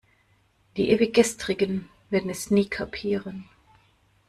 Die Ewiggestrigen werden es nie kapieren.